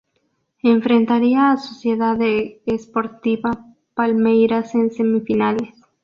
Enfrentaría a Sociedade Esportiva Palmeiras en semifinales.